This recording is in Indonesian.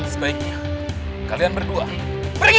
tidak sebaiknya selalu bersama kamu